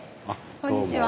こんにちは。